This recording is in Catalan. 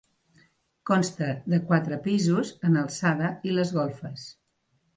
Consta de quatre pisos en alçada i les golfes.